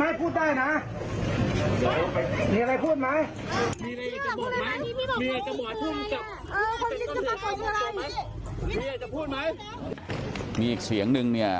มีอีกเสียงนึงเนี่ย